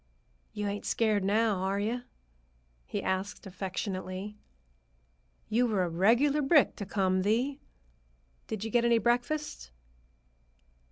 "You ain't scared now, are you?" he asked affectionately. "You were a regular brick to come, Thee. Did you get any breakfast?"